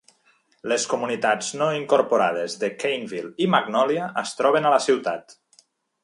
Les comunitats no incorporades de Cainville i Magnolia es troben a la ciutat.